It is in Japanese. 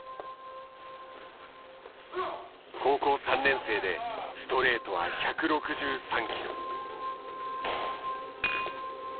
高校３年生でストレートは１６３キロ。